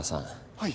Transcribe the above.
はい。